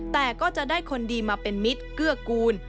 แต่ก็จะได้คนดีมาเป็นมิตรเกื้อกูล